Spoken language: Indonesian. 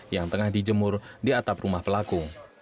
yang tengah dijemur di atap rumah pelaku